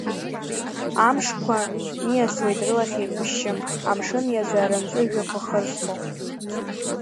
Амшқәа ниасуеит рылахь еиқәышьшьы, амшын иаҵәа рымҵәыжәҩақәа хырсло.